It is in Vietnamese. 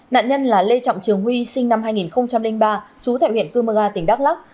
nạn nhân là lê trọng trường huy sinh năm hai nghìn ba chú tại huyện cư mơ ga tỉnh đắk lắc